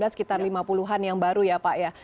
sekitar lima puluh an yang baru ya pak ya